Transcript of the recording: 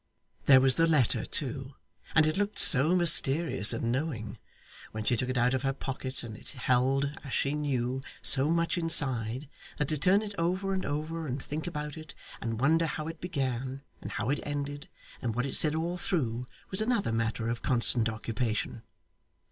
There was the letter too, and it looked so mysterious and knowing, when she took it out of her pocket, and it held, as she knew, so much inside, that to turn it over and over, and think about it, and wonder how it began, and how it ended, and what it said all through, was another matter of constant occupation.